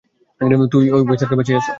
তুমি ওই অফিসারকে বাঁচিয়েছো।